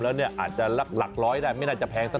อุ๊ยคุณนวย